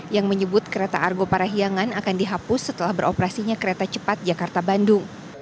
yang menyebut kereta argo parahiangan akan dihapus setelah beroperasinya kereta cepat jakarta bandung